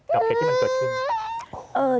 เหตุที่มันเกิดขึ้น